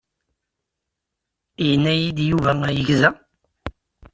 Yenna-yi-d Yuba yegza.